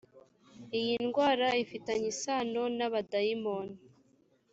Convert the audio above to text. iyi ndwra ifitanye isano n’abadayimoni